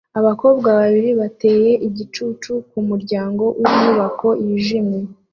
Abakobwa babiri bateye igicucu ku muryango w'inyubako yijimye